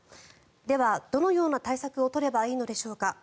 では、どのような対策を取ればいいのでしょうか。